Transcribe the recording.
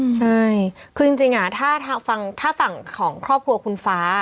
ใช่คือจริงถ้าฝั่งของครอบครัวคุณฟ้า